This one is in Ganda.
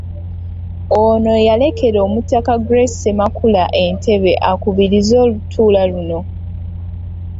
Ono yalekera omutaka Grace Ssemakula entebe akubirize olutuula luno.